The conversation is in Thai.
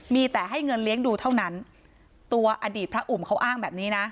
มีแต่ให้เงินเลี้ยงดูเท่านั้นตัวอดีตพระอุ่มเขาอ้างแบบนี้นะ